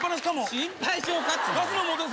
心配性か！